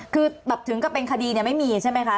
คือแบบถึงกับเป็นคดีเนี่ยไม่มีใช่ไหมคะ